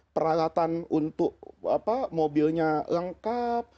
peralatan untuk mobilnya lengkap